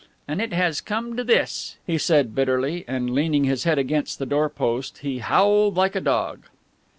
And it has come to this," he said bitterly, and leaning his head against the door post he howled like a dog.